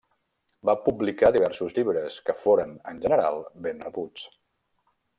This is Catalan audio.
Va publicar diversos llibres, que foren en general ben rebuts.